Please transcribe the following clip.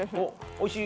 おいしい？